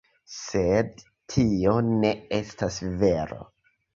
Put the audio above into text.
Sed tio ne estas vero.